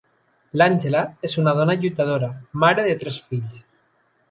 L'Àngela és una dona lluitadora, mare de tres fills.